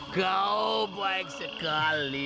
kau baik sekali